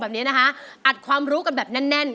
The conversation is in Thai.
ไม่ใช่ครับ